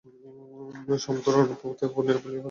সমুদ্র অর্ণবপোতে পূর্ণ বলিয়া বর্ণিত হয়।